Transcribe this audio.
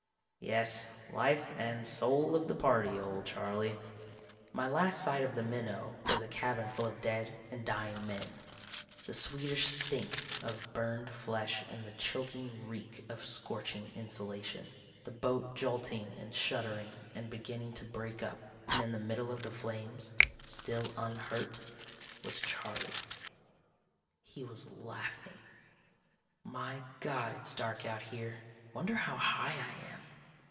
Yes, life and soul of the party, old Charley ... "My last sight of the Minnow was a cabin full of dead and dying men, the sweetish stink of burned flesh and the choking reek of scorching insulation, the boat jolting and shuddering and beginning to break up, and in the middle of the flames, still unhurt, was Charley. He was laughing ... "My God, it's dark out here. Wonder how high I am.